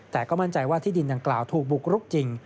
แต่ก็มั่นใจว่าที่ดินดังกล่าวถูกบุกรุกจริง